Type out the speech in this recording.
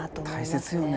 大切よね。